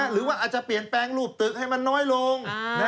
หรือว่าอาจจะเปลี่ยนแปลงรูปตึกให้มันน้อยลง